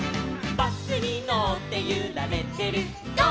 「バスにのってゆられてるゴー！